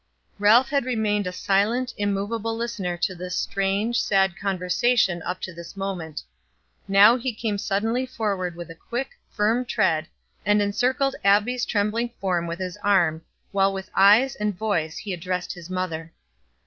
Ralph had remained a silent, immovable listener to this strange, sad conversation up to this moment. Now he came suddenly forward with a quick, firm tread, and encircled Abbie's trembling form with his arm, while with eyes and voice he addressed his mother.